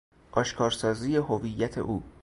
آشکارسازی هویت او